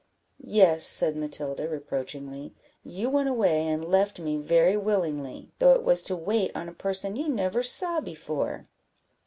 "Yes," said Matilda, reproachingly, "you went away and left me very willingly, though it was to wait on a person you never saw before."